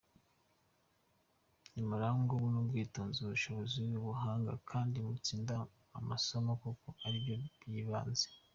Nimurangwe n’ubwitonzi, ubushishozi, ubuhanga kandi mutsinde amasomo kuko aribyo by’ibanze.